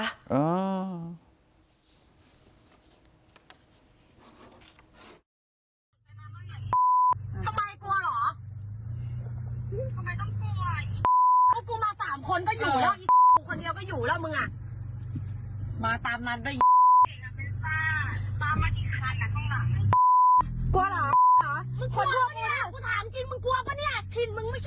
ทำไมต้องกลัวอ่ะอี๋